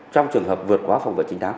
trong trường hợp vượt quá phòng vệ chính đáng